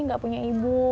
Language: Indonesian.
gini gak punya ibu